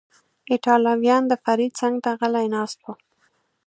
ایټالویان، د فرید څنګ ته غلی ناست و.